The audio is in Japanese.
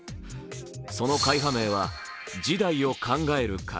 その会派名は次代を考える会。